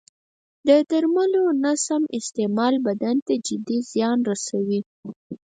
د درملو نه سم استعمال بدن ته جدي زیان رسوي.